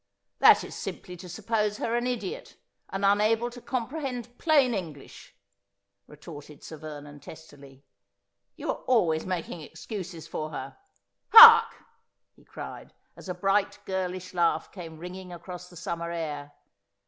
' That is simply to suppose her an idiot, and unable to com prehend plain English,' retorted Sir Vernon testily. ' You are always making excuses for her. Hark !' he cried, as a bright girlish laugh came ringing across the summer air.